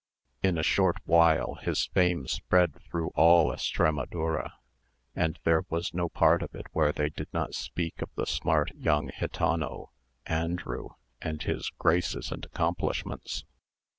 In a short while, his fame spread through all Estramadura, and there was no part of it where they did not speak of the smart young gitano Andrew, and his graces and accomplishments.